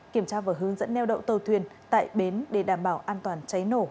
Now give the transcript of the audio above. kiểm tra và hướng dẫn neo đậu tàu thuyền tại bến để đảm bảo an toàn cháy nổ